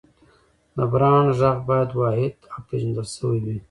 د برانډ غږ باید واحد او پېژندل شوی وي.